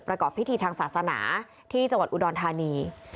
ประกอบพิธีทางศาสนาที่จังหวัดอุดรธานี